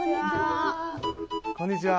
こんにちは。